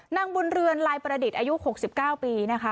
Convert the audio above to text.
นางบุญเรือนลายประดิษฐ์อายุ๖๙ปีนะคะ